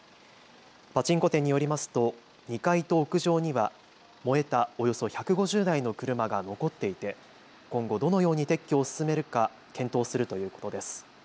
パチンコ店によりますと２階と屋上には燃えたおよそ１５０台の車が残っていて今後、どのように撤去を進めるか検討するということです。